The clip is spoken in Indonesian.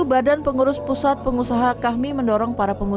badan pengurus pusat pengusaha kami mendorong para pengusaha